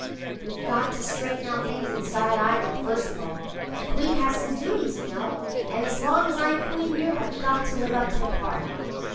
"We've got to straighten out things in Sky Island, first of all. A Queen has some duties, you know, and as long as I'm Queen here I've got to live up to the part."